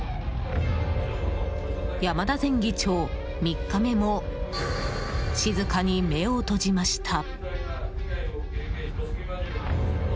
山田前議長、３日目も静かに目を閉じました。